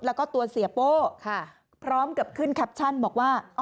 แล้วก็ตัวเสียโป้พร้อมกับขึ้นแคปชั่นบอกว่า